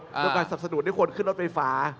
เพื่อการสับสนุนให้คนขึ้นรถไฟฟ้า